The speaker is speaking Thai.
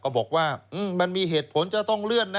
บอกว่ามันมีเหตุผลจะต้องเลื่อนนะ